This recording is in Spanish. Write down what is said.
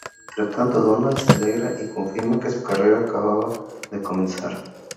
Mientras tanto, Donald se alegra y confirma que su carrera acaba de comenzar.